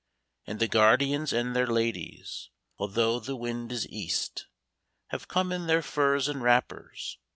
And the guardians and their ladies. Although the wind is east. Have come in their furs and v\rapper5.